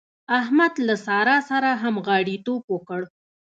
احمد له سارا سره همغاړيتوب وکړ.